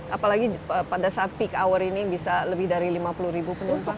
apalagi pada saat peak hour ini bisa lebih dari lima puluh ribu penumpang